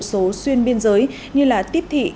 số xuyên biên giới như là tiếp thị